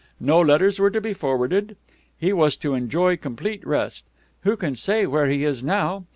No letters were to be forwarded. He was to enjoy complete rest. Who can say where he is now?